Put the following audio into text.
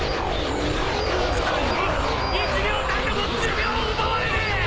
２人とも１秒たりとも寿命を奪われねえ！